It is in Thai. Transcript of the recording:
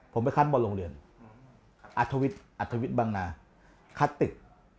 ผมไปคัดบอลโรงเรียนอัธวิทย์บังนาคัดติด